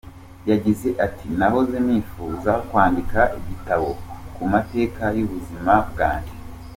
Yagize ati :« Nahoze nifuza kwandika igitabo ku mateka y’ubuzima bwanjye.